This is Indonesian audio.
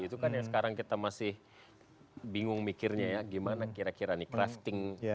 itu kan yang sekarang kita masih bingung mikirnya ya gimana kira kira nih crafting